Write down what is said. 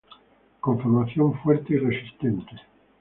Conformación fuerte y resistente.